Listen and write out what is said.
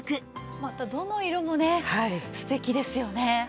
またどの色もね素敵ですよね。